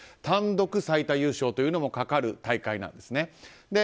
単独最多優勝というのもかかる大会なんです。